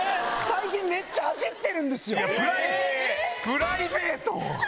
最近めっちゃ走ってるんですプライベート！